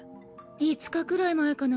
５日くらい前かな。